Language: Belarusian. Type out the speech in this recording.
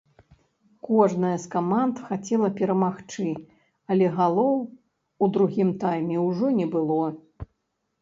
Кожная з каманд хацела перамагчы, але галоў у другім тайме ўжо не было.